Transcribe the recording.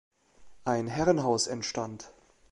Ein Herrenhaus entstand.